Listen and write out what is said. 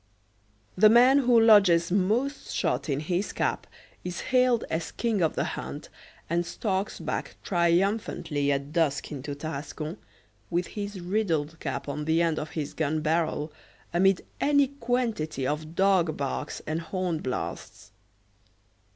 The man who lodges most shot in his cap is hailed as king of the hunt, and stalks back triumphantly at dusk into Tarascon, with his riddled cap on the end of his gun barrel, amid any quantity of dog barks and horn blasts.